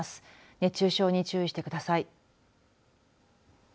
熱中症に注意してください。